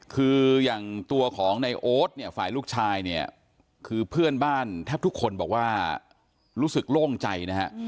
คืออย่างตัวของในโอ๊ตฝ่ายลูกชายคือเพื่อนบ้านแทบทุกคนบอกว่ารู้สึกโล่งใจ